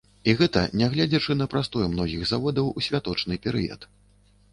І гэта нягледзячы на прастой многіх заводаў у святочны перыяд.